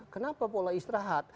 kenapa pola istirahat